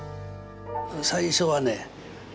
最初はね